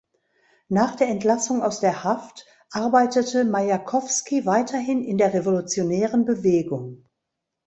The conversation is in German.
Nach der Entlassung aus der Haft arbeitete Majakowski weiterhin in der revolutionären Bewegung.